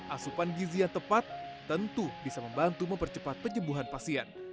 asupan gizi yang tepat tentu bisa membantu mempercepat penyembuhan pasien